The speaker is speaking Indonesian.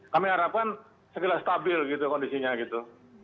kami harapkan segera stabil gitu kondisinya gitu